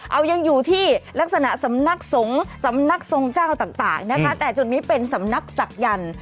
เอายังอยู่ที่ลักษณะสำนักสงฆ์สำนักทรงเจ้าต่างนะคะแต่จุดนี้เป็นสำนักศักยันต์